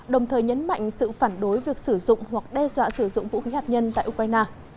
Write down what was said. đồng thời nhấn mạnh sự phản đối việc sử dụng hoặc đe dọa sử dụng vũ khí hạt nhân tại ukraine